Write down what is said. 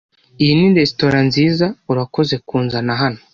Iyi ni resitora nziza. Urakoze kunzana hano.